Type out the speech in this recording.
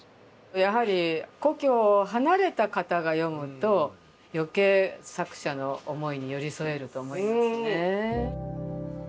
やはり故郷を離れた方が読むと余計作者の思いに寄り添えると思いますね。